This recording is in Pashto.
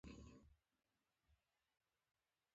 هره حجره یو جدا ژوندی موجود وي.